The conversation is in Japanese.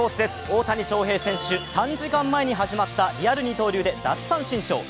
大谷翔平選手、３時間前に始まったリアル二刀流で奪三振ショー。